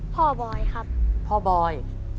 บอยครับพ่อบอย